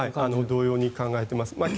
同様に考えています。